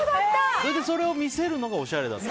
それを見せるのがおしゃれだった。